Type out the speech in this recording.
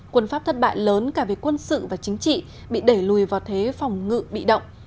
quân pháp thất bại lớn cả về quân sự và chính trị bị đẩy lùi vào thế phòng ngự bị động